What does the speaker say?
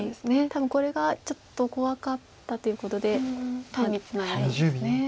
多分これがちょっと怖かったということで単にツナいだんですね。